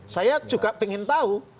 saya juga ingin tahu